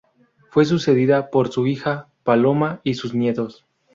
Fue sucedida por su hija Paloma y sus nietos.